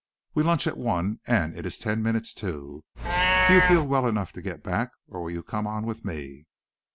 We lunch at one, and it is ten minutes to. Do you feel well enough to get back, or will you come on with me?"